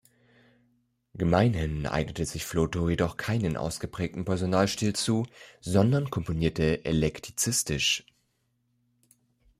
Gemeinhin eignete sich Flotow jedoch keinen ausgeprägten Personalstil zu, sondern komponierte eklektizistisch.